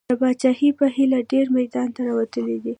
د پاچاهۍ په هیله ډېر میدان ته راوتلي دي.